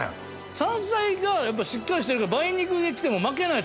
山菜がしっかりしてるから梅肉がきても負けないですね。